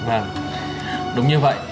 vâng đúng như vậy